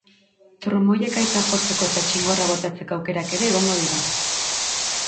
Trumoi-ekaitzak jotzeko eta txingorra botatzeko aukerak ere egongo dira.